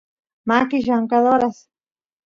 makis llamkadoras